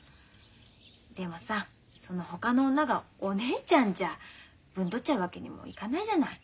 でもさそのほかの女がお姉ちゃんじゃぶんどっちゃうわけにもいかないじゃない。